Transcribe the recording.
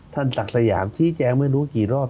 ศักดิ์สยามชี้แจงไม่รู้กี่รอบ